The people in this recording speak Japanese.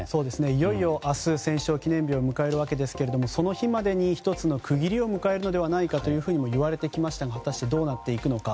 いよいよ明日戦勝記念日を迎えるわけですがその日までに１つの区切りを迎えるのではないかといわれてきましたが果たしてどうなっていくのか。